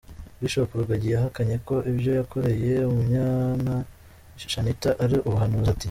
Bishop Rugagi yahakanye ko ibyo yakoreye Umunyana Shanitah ari ubuhanuzi, ati ".